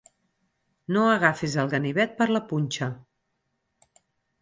No agafis el ganivet per la punxa.